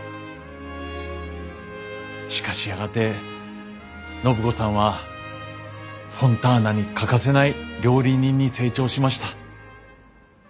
しかしやがて暢子さんはフォンターナに欠かせない料理人に成長しました。